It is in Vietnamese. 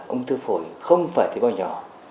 ung thư phổi không phải tế bào nhỏ